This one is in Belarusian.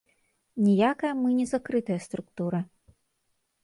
Ніякая мы не закрытая структура.